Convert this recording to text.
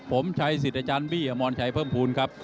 สวัสดีครับ